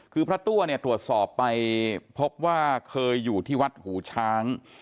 คือพระตัวเนี่ยตรวจสอบไปพบว่าเคยอยู่ที่วัดหูช้าง